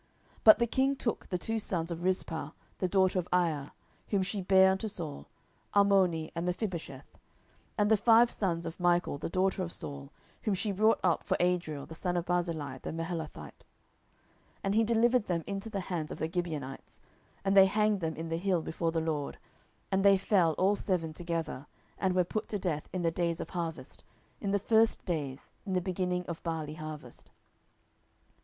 10:021:008 But the king took the two sons of Rizpah the daughter of Aiah, whom she bare unto Saul, Armoni and Mephibosheth; and the five sons of Michal the daughter of Saul, whom she brought up for Adriel the son of Barzillai the Meholathite: 10:021:009 And he delivered them into the hands of the Gibeonites, and they hanged them in the hill before the LORD: and they fell all seven together, and were put to death in the days of harvest, in the first days, in the beginning of barley harvest.